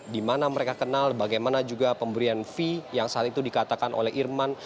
di mana mereka kenal bagaimana juga pemberian fee yang saat itu dikatakan oleh irman